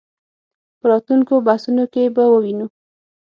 په راتلونکو بحثونو کې به ووینو.